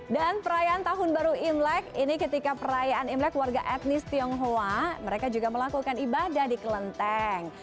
dan perayaan tahun baru imlek ini ketika perayaan imlek warga etnis tionghoa mereka juga melakukan ibadah di kelenteng